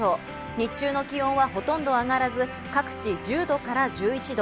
日中の気温はほとんど上がらず、各地１０度から１１度。